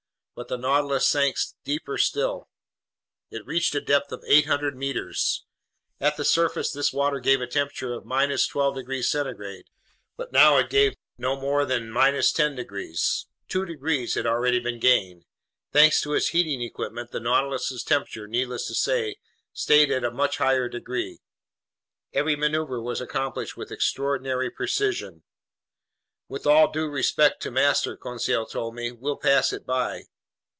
But the Nautilus sank deeper still. It reached a depth of 800 meters. At the surface this water gave a temperature of 12 degrees centigrade, but now it gave no more than 10 degrees. Two degrees had already been gained. Thanks to its heating equipment, the Nautilus's temperature, needless to say, stayed at a much higher degree. Every maneuver was accomplished with extraordinary precision. "With all due respect to master," Conseil told me, "we'll pass it by."